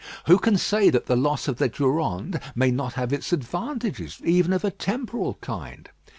Who can say that the loss of the Durande may not have its advantages even of a temporal kind.